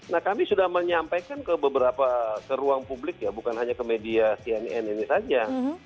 nah kami sudah menyampaikan ke beberapa ke ruang publik ya bukan hanya ke media cnn ini saja